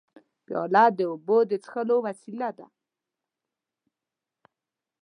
پیاله د اوبو د څښلو وسیله ده.